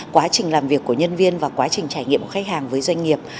quá trình làm việc của nhân viên và quá trình trải nghiệm của khách hàng với doanh nghiệp